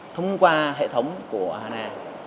thông qua hệ thống của hana